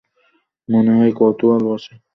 মনে হয় কৌতূহল বশে।